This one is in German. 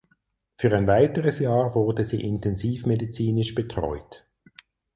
Für ein weiteres Jahr wurde sie intensivmedizinisch betreut.